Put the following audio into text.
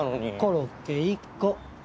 コロッケ１個。